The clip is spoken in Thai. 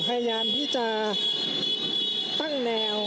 พยายามที่จะตั้งแนว